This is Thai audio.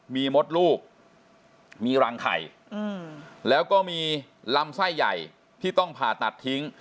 มีมดลูกมีรังไข่แล้วก็มีลำไส้ใหญ่ที่ต้องผ่าตัดทิ้ง